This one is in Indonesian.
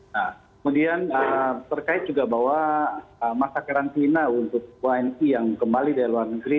nah kemudian terkait juga bahwa masa karantina untuk wni yang kembali dari luar negeri